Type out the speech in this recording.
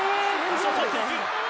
足を取っていく。